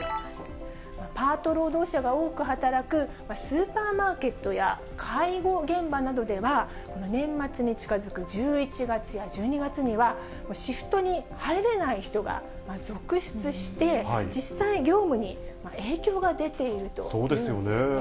パート労働者が多く働くスーパーマーケットや介護現場などでは、年末に近づく１１月や１２月には、シフトに入れない人が続出して、実際、業務に影響が出ているというんですね。